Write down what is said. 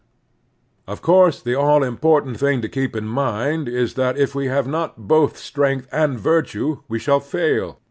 Of course the all important thing to keep in mind is that if we have not both strength and virtue we shall fail.